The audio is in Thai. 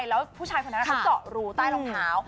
แล้วผู้ชายคนนั้นเขาเจาะรูใต้รองเท้า